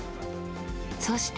そして。